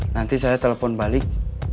nanti saya telepon balik